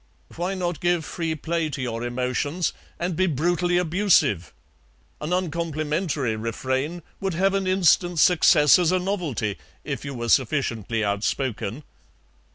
"Why not give free play to your emotions, and be brutally abusive? An uncomplimentary refrain would have an instant success as a novelty if you were sufficiently outspoken."